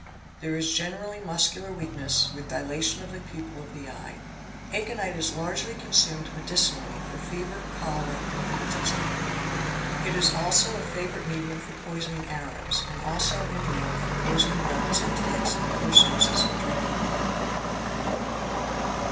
There is great muscular weakness, with dilation of the pupil of — the eye. Aconite is largely consumed medicinally for fever, cholera, and rheumatism. It is also a favourite medium for poisoning arrows, and also in war for poisoning wells and tanks and other sources of drinking water.